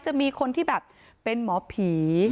จะมีคนที่แบบเป็นหมอผี